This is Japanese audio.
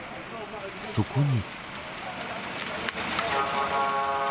そこに。